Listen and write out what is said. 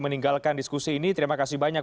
meninggalkan diskusi ini terima kasih banyak